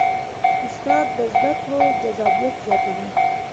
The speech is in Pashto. استاد د زده کړو جذابیت زیاتوي.